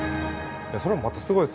それもまたすごいですね。